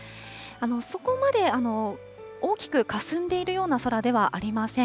そこまで大きくかすんでいるような空ではありません。